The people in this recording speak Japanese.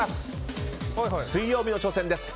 水曜日の挑戦です。